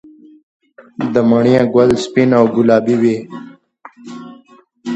د مڼې ګل سپین او ګلابي وي؟